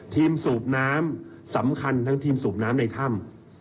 สูบน้ำสำคัญทั้งทีมสูบน้ำในถ้ำ